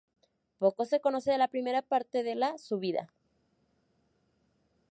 Poco se conoce de la primera parte de la su vida.